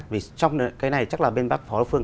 vì trong cái này chắc là bên bắc phó lộc phương